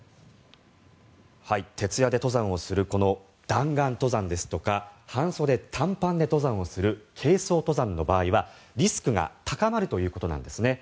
徹夜で登山をするこの弾丸登山ですとか半袖・短パンで登山をする軽装登山の場合はリスクが高まるということなんですね。